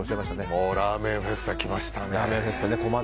もうラーメンフェスタ来ましたね。